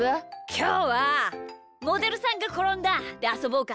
きょうは「モデルさんがころんだ」であそぼうか。